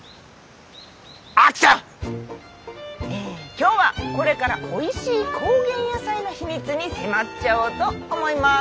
今日はこれからおいしい高原野菜の秘密に迫っちゃおうと思います！